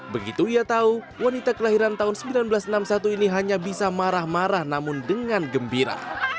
begitu ia tahu wanita kelahiran tahun seribu sembilan ratus enam puluh satu ini hanya bisa marah marah namun dengan gembira